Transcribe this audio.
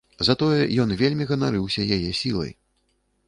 Затое ён вельмі ганарыўся яе сілай.